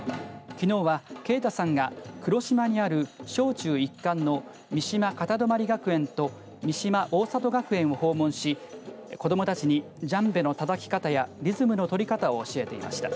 きのうは、ケイタさんが黒島にある小中一貫の三島片泊学園学と三島大里学園を訪問し子どもたちにジャンベのたたき方やリズムの取り方を教えていました。